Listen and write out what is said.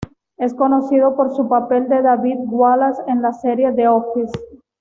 Es conocido por su papel de David Wallace en la serie "The Office".